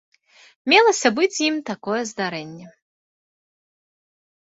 Мелася быць з ім такое здарэнне.